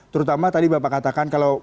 terutama tadi bapak katakan